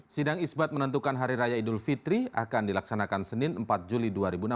sidang isbat menentukan hari raya idul fitri akan dilaksanakan senin empat juli dua ribu enam belas